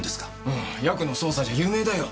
うんヤクの捜査じゃ有名だよ。